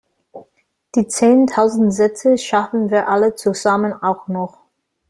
Die zehntausend Sätze schaffen wir alle zusammen auch noch!